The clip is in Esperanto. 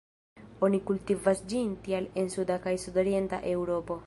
Oni kultivas ĝin tial en suda kaj sudorienta Eŭropo.